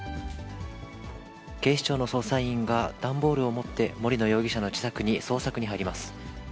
警視庁の捜査員が、段ボールを持って、森野容疑者の自宅に捜索に入ります。